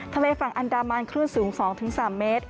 ทะเลฝั่งอันดามันคลื่นสูง๒๓เมตร